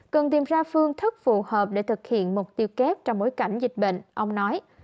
cần tìm ra phương thức phù hợp để thực hiện mục tiêu kép trong bối cảnh dịch bệnh ông nói